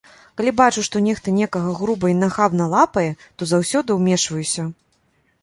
Калі бачу, што нехта некага груба і нахабна лапае, то заўсёды ўмешваюся.